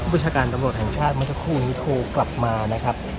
ประชาการตำรวจแห่งชาติเมื่อสักครู่นี้โทรกลับมานะครับ